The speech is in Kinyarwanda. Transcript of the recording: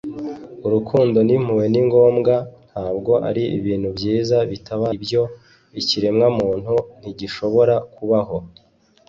urukundo n'impuhwe ni ngombwa, ntabwo ari ibintu byiza. bitabaye ibyo, ikiremwamuntu ntigishobora kubaho